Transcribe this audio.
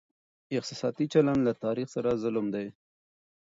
احساساتي چلند له تاريخ سره ظلم دی.